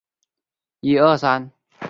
现时陈为纽约市联合会的成员之一。